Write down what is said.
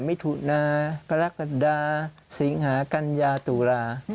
มิถุนาประลักษณะสิงหากัญญาตุลา